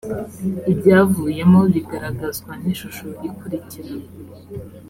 ibyavuyemo bigaragazwa n ishusho ikurikira